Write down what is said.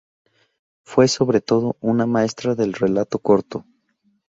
Fue, sobre todo, una maestra del relato corto.